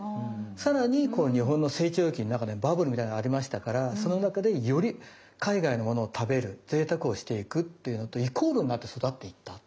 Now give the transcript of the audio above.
さらに日本の成長期の中でバブルみたいのありましたからその中でより海外のものを食べるぜいたくをしていくっていうのとイコールになって育っていった。